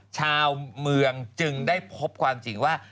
ชาวเมืองจึงได้พบความจริงว่า